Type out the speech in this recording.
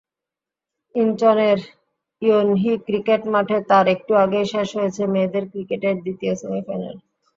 ইনচনের Yeonhui cricket মাঠে তার একটু আগেই শেষ হয়েছে মেয়েদের ক্রিকেটের দ্বিতীয় সেমিফাইনাল।